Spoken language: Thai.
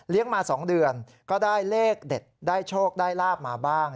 มา๒เดือนก็ได้เลขเด็ดได้โชคได้ลาบมาบ้าง